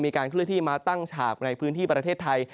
เคลื่อนที่มาตั้งฉากในพื้นที่ประเทศไทย